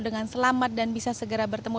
dengan selamat dan bisa segera bertemu